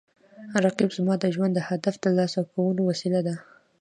رقیب زما د ژوند د هدف ترلاسه کولو وسیله ده